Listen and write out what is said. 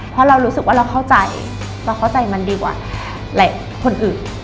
เพราะเรารู้สึกว่าเราเข้าใจเราเข้าใจมันดีกว่าหลายคนอื่น